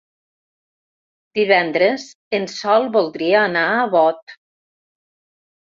Divendres en Sol voldria anar a Bot.